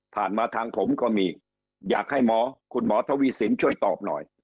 มาทางผมก็มีอยากให้หมอคุณหมอทวีสินช่วยตอบหน่อย